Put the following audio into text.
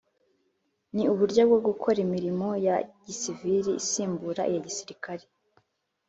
Ni uburyo bwo gukora imirimo ya gisivili isimbura iya gisirikare